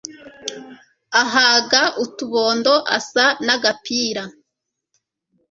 Ahaga utubondo asa nagapira